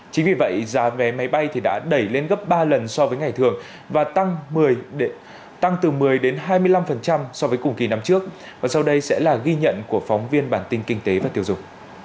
chính vì vậy giá vé máy bay đã đẩy lên gấp ba lần so với ngày thường và tăng từ một mươi hai mươi năm so với cùng kỳ năm trước và sau đây sẽ là ghi nhận của phóng viên bản tin kinh tế và tiêu dùng